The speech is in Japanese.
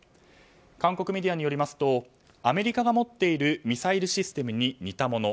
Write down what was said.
韓国メディアによりますとアメリカが持っているミサイルシステムに似たもの